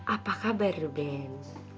apa kabar ben